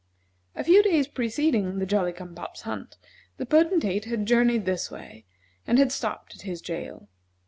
A few days preceding the Jolly cum pop's hunt, the Potentate had journeyed this way and had stopped at his jail.